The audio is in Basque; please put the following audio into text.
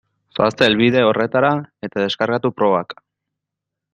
Zoazte helbide horretara eta deskargatu probak.